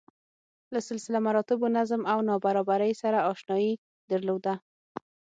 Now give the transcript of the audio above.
له سلسله مراتبو، نظم او نابرابرۍ سره اشنايي درلوده.